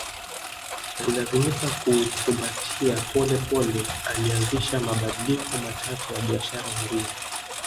Alilazimika kuukumbatia pole pole alianzisha mabadiliko machache ya biashara huria